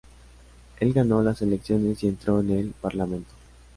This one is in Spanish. Él ganó las elecciones y entró en el Parlamento.